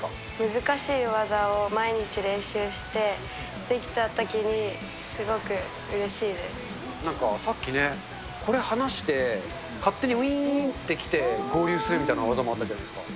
難しい技を毎日練習して、なんかさっきね、これ、離して、勝手にういーんって来て、合流するみたいな技もあったじゃないですか。